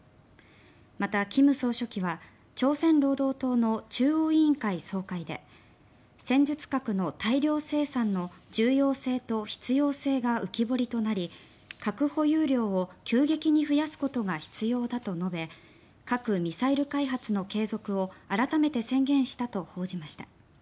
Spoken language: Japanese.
また、金総書記は朝鮮労働党の中央委員会総会で戦術核の大量生産の重要性と必要性が浮き彫りとなり核保有量を急激に増やすことが必要だと述べ核・ミサイル開発の継続を改めて宣言したと報じました。